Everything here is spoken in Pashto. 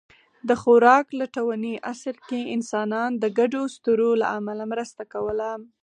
د خوراک لټوني عصر کې انسانان د ګډو اسطورو له امله مرسته کوله.